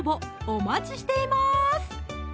お待ちしています